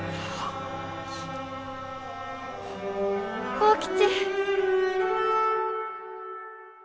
幸吉！